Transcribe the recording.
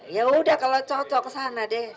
yaudah kalau cocok ke sana deh